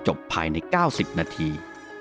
จบภายในเก้าสิบนาที